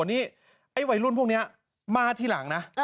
นี่ไอ้วัยรุ่นพวกนี้มาทีหลังนะ